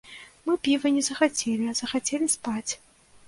Мы піва не захацелі, а захацелі спаць.